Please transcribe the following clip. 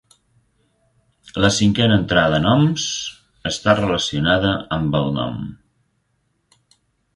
La cinquena entrada nom's està relacionada amb el nom.